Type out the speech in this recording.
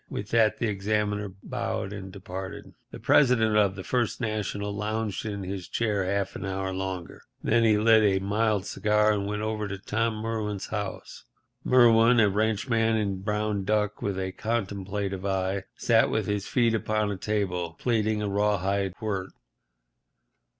With that the examiner bowed and departed. The President of the First National lounged in his chair half an hour longer, and then he lit a mild cigar, and went over to Tom Merwin's house. Merwin, a ranchman in brown duck, with a contemplative eye, sat with his feet upon a table, plaiting a rawhide quirt.